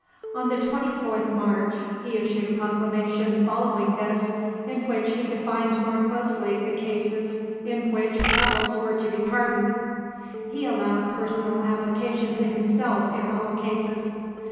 On the 24th March, he issued a proclamation following this, in which he defined more closely the cases in which rebels were to be pardoned. He allowed personal application to himself in all cases.